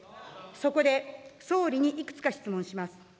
そこで、総理にいくつか質問します。